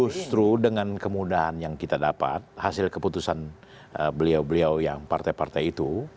justru dengan kemudahan yang kita dapat hasil keputusan beliau beliau yang partai partai itu